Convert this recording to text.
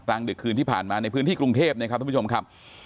ดึกคืนที่ผ่านมาในพื้นที่กรุงเทพนะครับท่านผู้ชมครับ